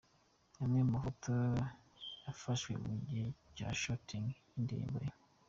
Amwe mu mafoto yafashwe mu gihe cya shooting y'indirimbo ye.